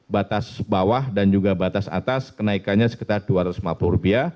batas bawah dan juga batas atas kenaikannya sekitar rp dua ratus lima puluh